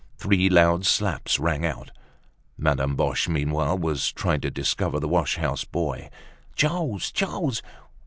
Three loud slaps rang out. Madame Boche, meanwhile, was trying to discover the wash house boy. "Charles! Charles!